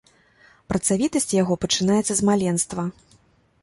Працавітасць яго пачынаецца з маленства.